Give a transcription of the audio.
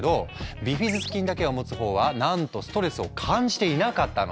ビフィズス菌だけを持つ方はなんとストレスを感じていなかったの。